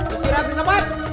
istirahat di tempat